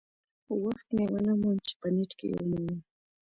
وخت مې ونه موند چې په نیټ کې یې ومومم.